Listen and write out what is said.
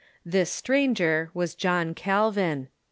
Ihis stranger was John Calvin.